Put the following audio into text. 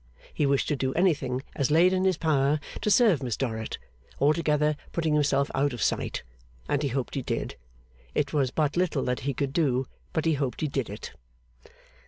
He wished to do anything as laid in his power to serve Miss Dorrit, altogether putting himself out of sight; and he hoped he did. It was but little that he could do, but he hoped he did it.